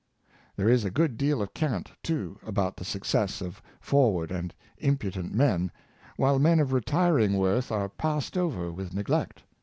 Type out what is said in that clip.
There is a good deal of cant, too, about the success of forward and im pudent men, while men of retiring worth are passed over with neglect.